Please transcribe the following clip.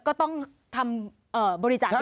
ก็ต้องทำบริจาคเยอะ